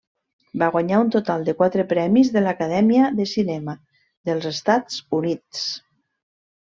Va guanyar un total de quatre premis de l'Acadèmia de cinema dels Estats Units.